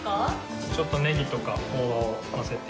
ちょっとネギとかをのせて。